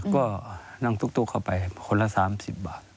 ก็นั่งตุ๊กเข้าไปคนละ๓๐บาท